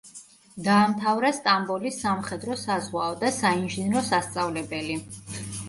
დაამთავრა სტამბოლის სამხედრო-საზღვაო და საინჟინრო სასწავლებელი.